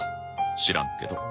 知らんけど。